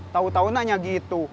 tahu tahu nanya gitu